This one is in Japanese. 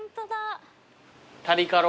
タリカロ？